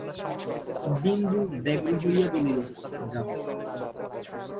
বিন্দু ব্যগ্র হইয়া বলিল, যাব।